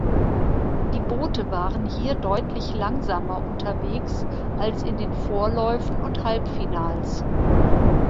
Die Boote waren hier deutlich langsamer unterwegs als in den Vorläufen und Halbfinals.